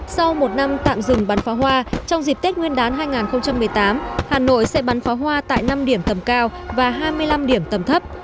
sau một năm tạm dừng bắn pháo hoa trong dịp tết nguyên đán hai nghìn một mươi tám hà nội sẽ bắn pháo hoa tại năm điểm tầm cao và hai mươi năm điểm tầm thấp